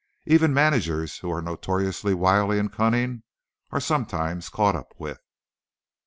Even managers, who are notoriously wily and cunning, are sometimes caught up with.